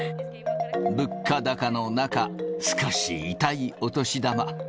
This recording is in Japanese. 物価高の中、少し痛いお年玉。